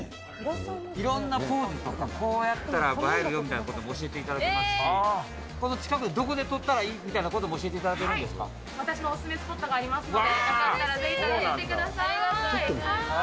いろんなポーズとか、こうやったら映えるよみたいなことを教えていただけますし、この近く、どこで撮ったらいい？みたいなことも教えていただけるはい、私のお勧めスポットがありますので、よかったら、ぜひ楽しんでください。